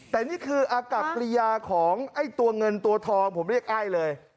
แต่นี่คืออากับกริยาของไอ้ตัวเงินตัวทองผมเรียกไอ้เลย